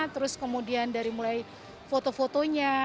terus kemudian dari mulai foto fotonya